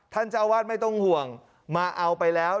เจ้าวาดไม่ต้องห่วงมาเอาไปแล้ว